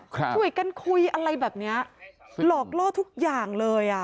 ช่วยกันคุยอะไรแบบเนี้ยหลอกล่อทุกอย่างเลยอ่ะ